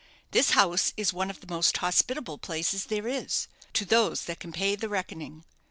This house is one of the most hospitable places there is to those that can pay the reckoning."